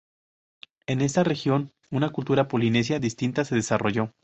En esta región, una cultura polinesia distinta se desarrolló.